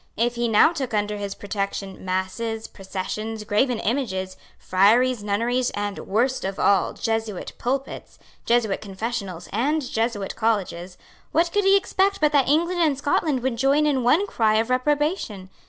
If he now took under his protection masses, processions, graven images, friaries, nunneries, and, worst of all, Jesuit pulpits, Jesuit confessionals and Jesuit colleges, what could he expect but that England and Scotland would join in one cry of reprobation?